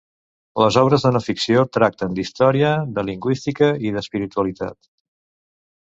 Les obres de no-ficció tracten d'història, de lingüística i d'espiritualitat.